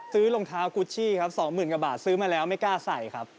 ซื้อรองเท้ากุจจี้ครับ๒๐๐๐๐บาทซื้อมาแล้วไม่กล้าใส่ครับ